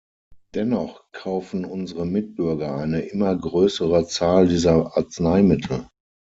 Dennoch kaufen unsere Mitbürger eine immer größere Zahl dieser Arzneimittel.